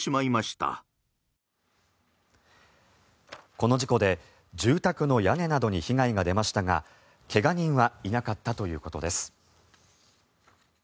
この事故で住宅の屋根などに被害が出ましたが怪我人はいなかったということです。